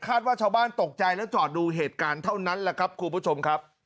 คาดว่าชาวบ้านตกใจและจอดดูเหตุการณ์เท่านั้น